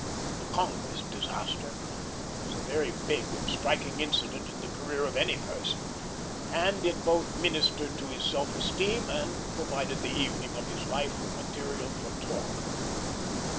The Congress disaster was a very big and striking incident in the career of any person, and it both ministered to his self esteem and provided the evening of his life with material for talk.